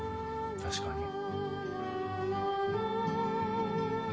確かに。